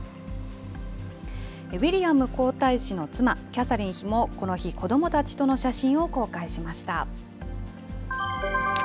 ウィリアム皇太子の妻、キャサリン妃もこの日、子どもたちとの写真を公開しました。